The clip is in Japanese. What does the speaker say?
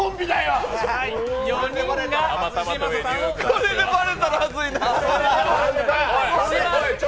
これでバレたらはずいな。